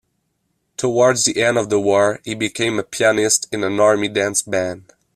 Towards the end of the war he became pianist in an army dance band.